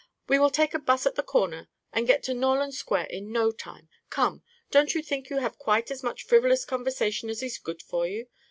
We will take a bus at the corner and get to Norland Square in no time. Come, don't you think you have had quite as much frivolous conversation as is good for you?